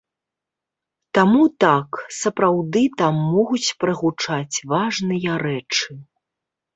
Таму так, сапраўды там могуць прагучаць важныя рэчы.